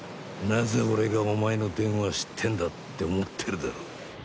なぜ俺がお前の電話知ってんだって思ってるだろ？